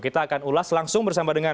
kita akan ulas langsung bersama dengan